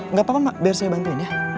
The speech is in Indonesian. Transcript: eee gak apa apa mbak biar saya bantuin ya